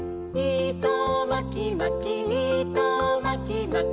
「いとまきまきいとまきまき」